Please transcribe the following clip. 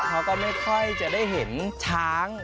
เขาก็ไม่ค่อยจะได้เห็นช้าง